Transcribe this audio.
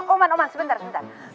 oman oman sebentar sebentar